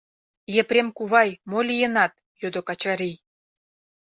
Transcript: — Епрем кувай, мо лийынат? — йодо Качырий.